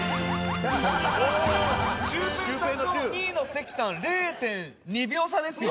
シュウペイさんと２位の関さん０．２秒差ですよ。